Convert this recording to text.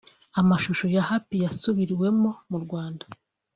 Amashusho ya ‘Happy’ yasubiriwemo mu Rwanda